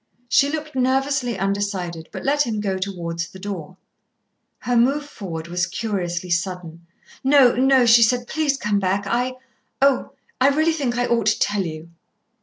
She looked nervously undecided, but let him go towards the door. Her move forward was curiously sudden. "No, no," she said. "Please come back. I oh! I really think I ought to tell you."